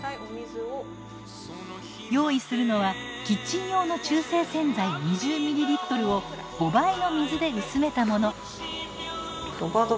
用意するのはキッチン用の中性洗剤２０ｍｌを５倍の水で薄めたもの。